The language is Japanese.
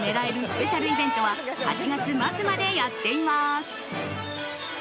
スペシャルイベントは８月末までやっています。